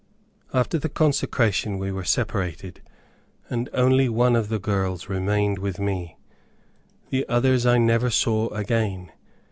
After the consecration we were separated, and only one of the girls remained with me. The others I never saw again.